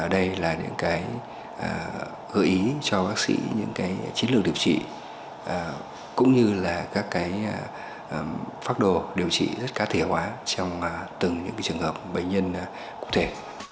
đây là những gợi ý cho bác sĩ những chiến lược điều trị cũng như là các phác đồ điều trị rất cá thể hóa trong từng những trường hợp bệnh nhân cụ thể